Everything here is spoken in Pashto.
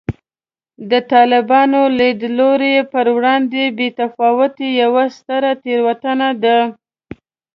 د طالباني لیدلوري پر وړاندې بې تفاوتي یوه ستره تېروتنه ده